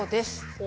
お！